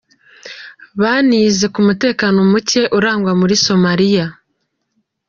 Banize ku mutekano muke urangwa muri Somalia.